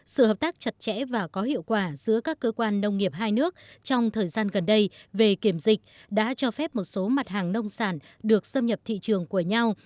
sự hợp tác chặt chẽ và có hiệu quả giữa các cơ quan nông nghiệp hai nước trong thời gian gần đây về kiểm dịch đã cho phép một số mặt hàng nông sản được xâm nhập thị trường của nhau